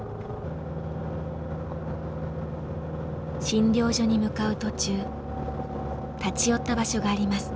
診療所に向かう途中立ち寄った場所があります。